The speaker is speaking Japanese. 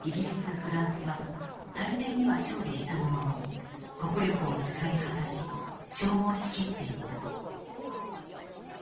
フランスは大戦には勝利したものの国力を使い果たし消耗しきっていた。